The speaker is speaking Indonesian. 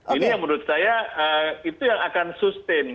ini yang menurut saya itu yang akan sustain